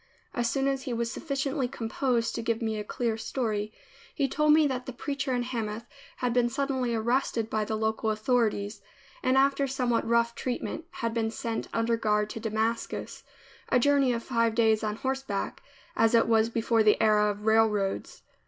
As soon as he was sufficiently composed to give me a clear story, he told me that the preacher in Hamath had been suddenly arrested by the local authorities, and after somewhat rough treatment, had been sent under guard to Damascus, a journey of five days on horseback, as it was before the era of railroads.